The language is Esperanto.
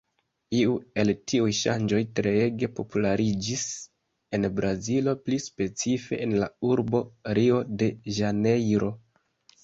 Iu el tiuj ŝanĝoj treege populariĝis en Brazilo, pli specife, en la urbo Rio-de-Ĵanejro.